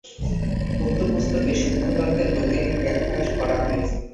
উক্ত পুস্তকে সূক্ষ্মতত্ত্বের বৈজ্ঞানিক ব্যাখ্যা করা হইয়াছে।